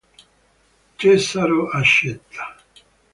Cesaro accetta.